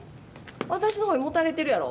私の方にもたれてるやろ？